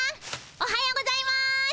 おはようございます！